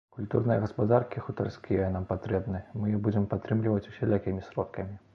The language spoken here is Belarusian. Культурныя гаспадаркі хутарскія нам патрэбны, мы іх будзем падтрымліваць усялякімі сродкамі!